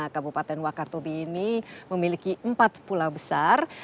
kabupaten wakatobi ini memiliki empat pulau besar